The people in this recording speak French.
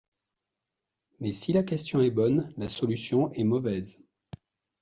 Mais si la question est bonne, la solution est mauvaise.